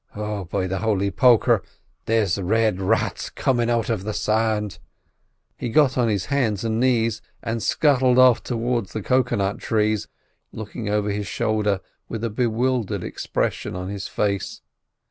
Oh, be the Holy Poker, there's red rats comin' out of the sand!" He got on his hands and knees and scuttled off towards the cocoa nut trees, looking over his shoulder with a bewildered expression on his face.